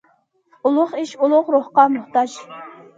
ئۇلۇغ ئىش ئۇلۇغ روھقا موھتاج.